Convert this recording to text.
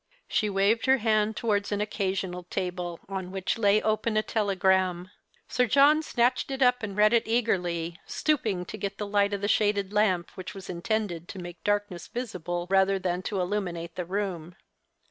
She waved her hand towards an occasional table, on which lay an open telegram. Sir John snatched it up and read it eagerly, stooping to get the light of the shaded lamp, which was intended to make darkness visible rather than to illuminate the room.